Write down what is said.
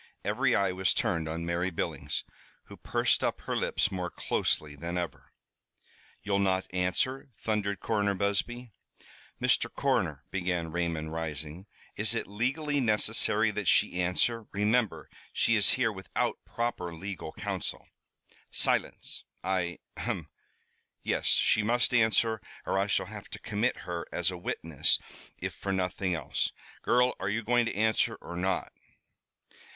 Every eye was turned on Mary Billings, who pursed up her lips more closely than ever. "You'll not answer?" thundered Coroner Busby. "Mr. Coroner," began Raymond, rising, "is it legally necessary that she answer? Remember, she is here without proper legal council." "Silence! I ahem yes, she must answer, or I shall have to commit her, as a witness if for nothing else. Girl, are you going to answer or not?"